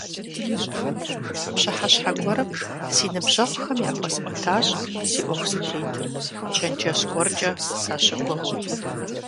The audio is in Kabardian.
Пщыхьэщхьэ гуэрым си ныбжьэгъухэм яхуэсӀуэтащ си Ӏуэху зытетыр, чэнджэщ гуэркӀэ сащыгугъыу.